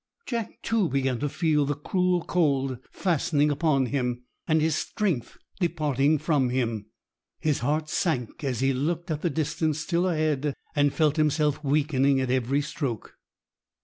Jack, too, began to feel the cruel cold fastening upon him, and his strength departing from him. His heart sank as he looked at the distance still ahead, and felt himself weakening at every stroke.